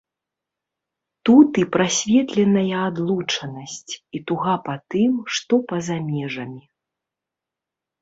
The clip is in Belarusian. Тут і прасветленая адлучанасць, і туга па тым, што па-за межамі.